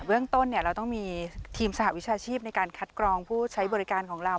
เรื่องต้นเราต้องมีทีมสหวิชาชีพในการคัดกรองผู้ใช้บริการของเรา